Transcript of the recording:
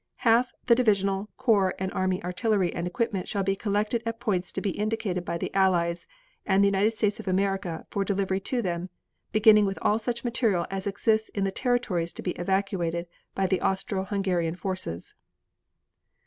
Half the divisional, corps and army artillery and equipment shall be collected at points to be indicated by the Allies and United States of America for delivery to them, beginning with all such material as exists in the territories to be evacuated by the Austro Hungarian forces.